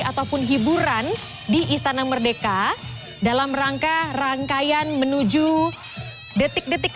ataupun hiburan di istana merdeka dalam rangka rangkaian menuju detik detik